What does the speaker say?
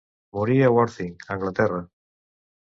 Morí a Worthing, Anglaterra.